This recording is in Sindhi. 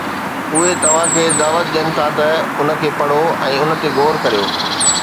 اهي توهان کي دعوت ڏين ٿا ته ان کي پڙهو ۽ ان تي غور ڪريو.